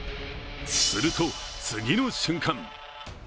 すると、次の瞬間。